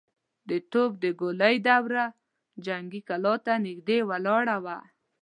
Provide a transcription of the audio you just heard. د توپ د ګولۍ دوړه جنګي کلا ته نږدې ولاړه وه.